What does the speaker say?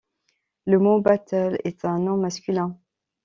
Le mot battle est un nom masculin.